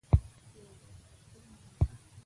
یو بل خطر موجود وو.